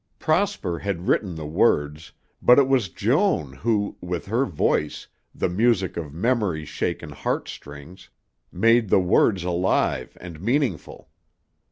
Prosper had written the words, but it was Joan who, with her voice, the music of memory shaken heart strings, made the words alive and meaningful.